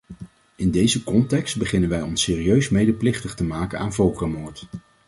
In deze context beginnen wij ons serieus medeplichtig te maken aan volkerenmoord.